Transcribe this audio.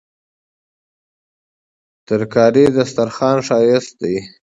ترکاري د سترخوان ښايست دی